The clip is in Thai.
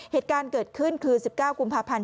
เหตุการณ์เกิดขึ้นคือ๑๙กุมภาพันธ์